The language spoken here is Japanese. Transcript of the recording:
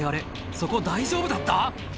そこ大丈夫だった？